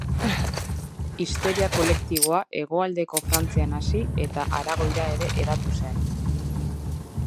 Histeria kolektiboa hegoaldeko Frantzian hasi eta Aragoira ere hedatu zen.